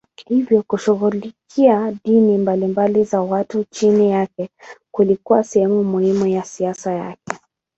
Hivyo kushughulikia dini mbalimbali za watu chini yake kulikuwa sehemu muhimu ya siasa yake.